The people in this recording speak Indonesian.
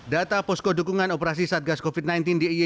data posko dukungan operasi satgas covid sembilan belas dia